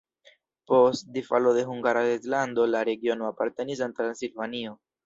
Post disfalo de Hungara reĝlando la regiono apartenis al Transilvanio.